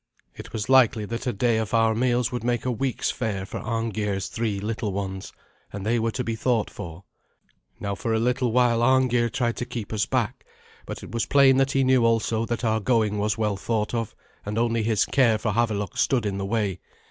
It was likely that a day of our meals would make a week's fare for Arngeir's three little ones, and they were to be thought for. Now for a little while Arngeir tried to keep us back; but it was plain that he knew also that our going was well thought of, and only his care for Havelok stood in the way.